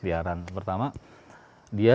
liaran pertama dia